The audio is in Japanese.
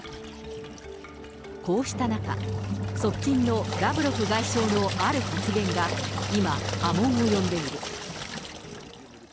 こうした中、側近のラブロフ外相のある発言が、今、波紋を呼んでいる。